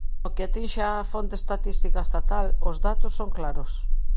No que atinxe á fonte estatística estatal, os datos son claros.